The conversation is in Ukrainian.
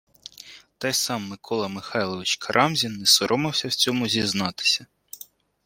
Та й сам Микола Михайлович Карамзін не соромився в цьому зізнатися